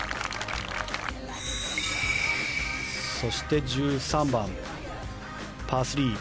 そして１３番、パー３。